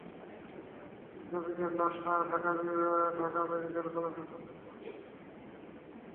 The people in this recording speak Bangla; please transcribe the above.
দুই শ্রমিকের লাশ ঢাকা মেডিকেল কলেজ হাসপাতালে ময়নাতদন্তের জন্য পাঠানো হয়েছে।